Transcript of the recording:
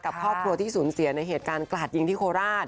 ครอบครัวที่สูญเสียในเหตุการณ์กราดยิงที่โคราช